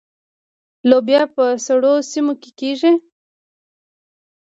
لوبیا په سړو سیمو کې کیږي.